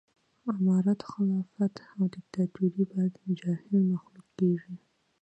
امارت خلافت او ديکتاتوري به جاهل مخلوق کېږي